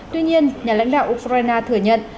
tuy nhiên nhà lãnh đạo ukraine thừa nhận